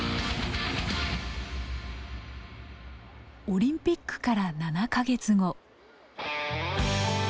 オリンピックから７か月後。